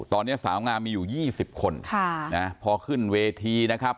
ตอนนี้สาวงามมีอยู่๒๐คนพอขึ้นเวทีนะครับ